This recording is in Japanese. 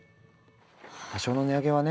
多少の値上げはね。